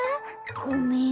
ごめん。